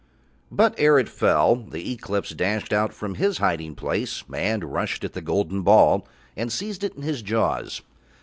But ere it fell the Eclipse dashed out from his hiding, and rushed at the golden ball and seized it in his jaws.